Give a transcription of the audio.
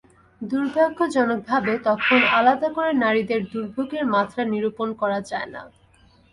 দুর্ভাগ্যজনকভাবে তখন আলাদা করে নারীদের দুর্ভোগের মাত্রা নিরূপণ করা যায় না।